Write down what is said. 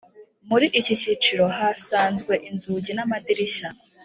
Muri iki cyiciro hasanzwe inzugi n’amadirishya.